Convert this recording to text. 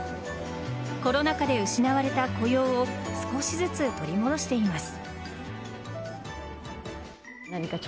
コロナ禍で失われた雇用を少しずつ取り戻しています。